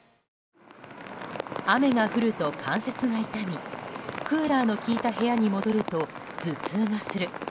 雨が降ると関節が痛みクーラーの利いた部屋に戻ると頭痛がする。